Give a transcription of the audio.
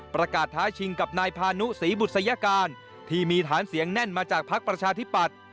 ท้าชิงกับนายพานุศรีบุษยการที่มีฐานเสียงแน่นมาจากภักดิ์ประชาธิปัตย์